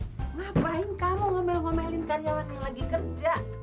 ngapain kamu ngomel ngomelin karyawan yang lagi kerja